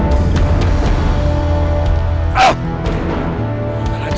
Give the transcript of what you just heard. sama aja lo bunuh putri ngerti lo